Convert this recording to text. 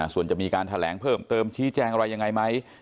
ส่วนจะมีการแถลงเพิ่มเติมชี้แจงอะไรยังไงไหม